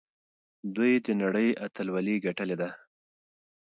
دوی د نړۍ اتلولي ګټلې ده.